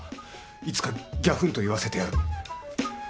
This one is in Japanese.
いつかぎゃふんと言わせてやる。